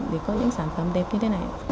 để có những sản phẩm đẹp như thế này